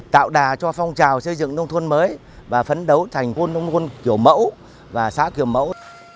tạo đà cho phong trào xây dựng nông thôn mới và phấn đấu thành quân nông thôn kiểu mẫu và xã kiểu mẫu